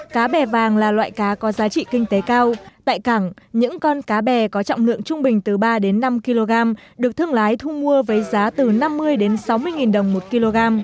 cá bè vàng là loại cá có giá trị kinh tế cao tại cảng những con cá bè có trọng lượng trung bình từ ba đến năm kg được thương lái thu mua với giá từ năm mươi đến sáu mươi nghìn đồng một kg